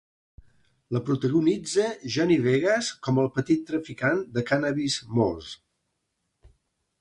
La protagonitza Johnny Vegas com el petit traficant de cànnabis Moz.